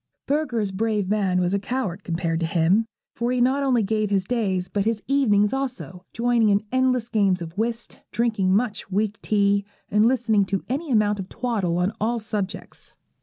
Bürger's Brave Man was a coward compared to him; for he not only gave his days, but his evenings also, joining in endless games of whist, drinking much weak tea, and listening to any amount of twaddle on all subjects.